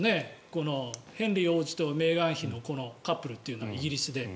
このヘンリー王子とメーガン妃のカップルっていうのはイギリスで。